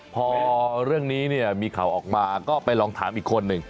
พอเรื่องนี้เนี่ยมีข่าวออกมาก็ไปลองถามอีกคนหนึ่ง